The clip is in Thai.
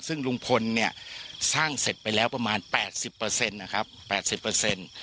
ซึ่งลุงพลเนี่ยสร้างเสร็จไปแล้วประมาณแปดสิบเปอร์เซ็นต์นะครับแปดสิบเปอร์เซ็นต์